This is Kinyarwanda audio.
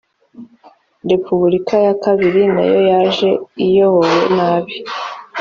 repubulika ya kabiri nayo yaje iyobowe nabi.